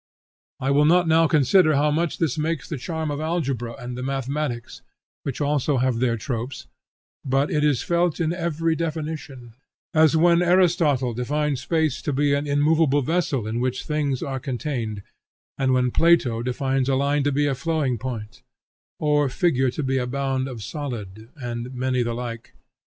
I will not now consider how much this makes the charm of algebra and the mathematics, which also have their tropes, but it is felt in every definition; as when Aristotle defines space to be an immovable vessel in which things are contained; or when Plato defines a line to be a flowing point; or figure to be a bound of solid; and many the like.